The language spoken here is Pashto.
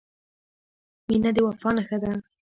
• مینه د وفا نښه ده.